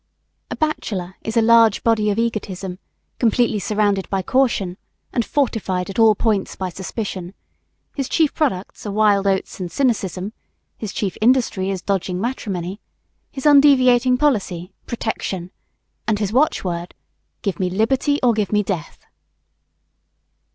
A bachelor is a large body of egotism, completely surrounded by caution and fortified at all points by suspicion. His chief products are wild oats and cynicism; his chief industry is dodging matrimony; his undeviating policy "Protection!" and his watch word, "Give me liberty or give me death!"